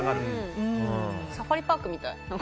サファリパークみたい。